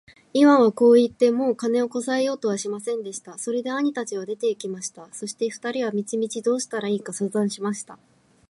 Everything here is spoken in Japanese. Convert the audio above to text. イワンはこう言って、もう金をこさえようとはしませんでした。それで兄たちは出て行きました。そして二人は道々どうしたらいいか相談しました。